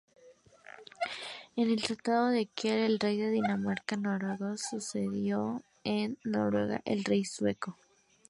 En el tratado de Kiel, el rey de Dinamarca-Noruega cedió Noruega al rey sueco.